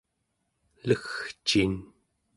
legcin